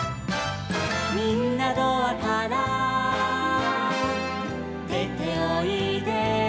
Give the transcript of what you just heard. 「みんなドアからでておいで」